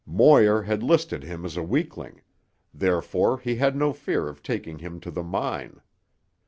Moir had listed him as a weakling; therefore he had no fear of taking him to the mine.